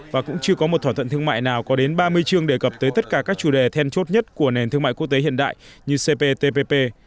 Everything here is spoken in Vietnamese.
và cũng chưa có một thỏa thuận thương mại nào có đến ba mươi chương đề cập tới tất cả các chủ đề then chốt nhất của nền thương mại quốc tế hiện đại như cptpp